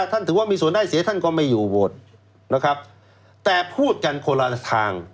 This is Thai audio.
ท่านถือว่ามีส่วนใดเสียท่านก็ไม่อยู่วดแต่พูดกันคนละทาง